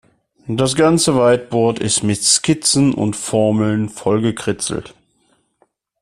Das ganze Whiteboard ist mit Skizzen und Formeln vollgekritzelt.